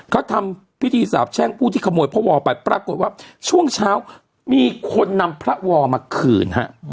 เขาทำพิธีสาบแช่งผู้ที่ขโมยพระวอไปปรากฏว่าช่วงเช้ามีคนนำพระวอลมาคืนฮะ